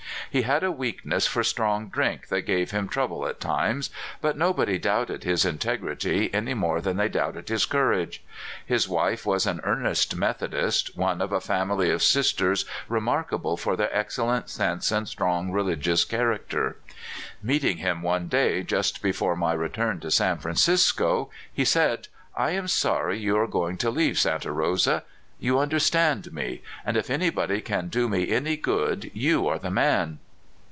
He had a weaknesr< for strong drink that gave him trouble at times, but nobody doubted his integrity any more than they doubted his courage. His wife was an earnest Methodist, one of a family of sisters remarkable for their excellent sense and strong religious character. Meeting him one day, just before my return to San Francisco, he said: I am sorry you are going to leave Santa Rosa. You understand me; and if anybody can do me any good, you are the man."